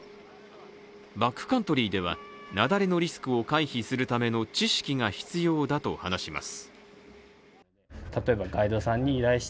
バックカントリーでは雪崩のリスクを回避するための知識が必要だと話します。